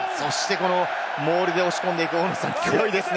そしてモールで押し込んでいく、強いですね。